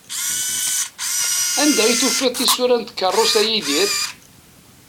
Anda i tufiḍ tisura n tkerrust, a Yidir?